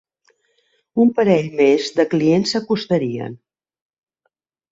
Un parell més de clients s'acostarien.